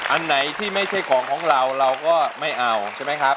อันไหนที่ไม่ใช่ของของเราเราก็ไม่เอาใช่ไหมครับ